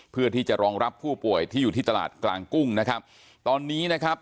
เพื่อที่จะรองรับผู้ป่วยที่อยู่ที่ตลาดกลางกุ้งนะครับตอนนี้นะครับ